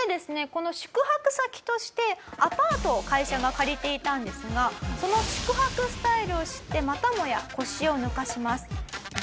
この宿泊先としてアパートを会社が借りていたんですがその宿泊スタイルを知ってまたもや腰を抜かします。